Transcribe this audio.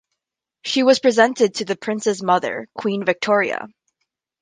She was presented to the Prince's mother, Queen Victoria.